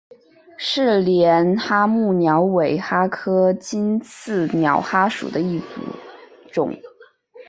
是帘蛤目鸟尾蛤科棘刺鸟蛤属的一种。